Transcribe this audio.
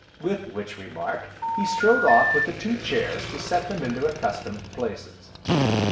with which remark he strode off with the two chairs to set them in their accustomed places.